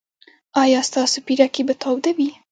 ایا ستاسو پیرکي به تاوده وي؟